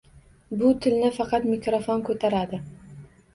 Bu tilni faqat mikrofon ko‘taradi.